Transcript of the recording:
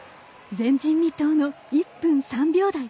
前人未到の１分３秒台。